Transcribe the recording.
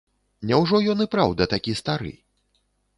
Няўжо ён і праўда такі стары?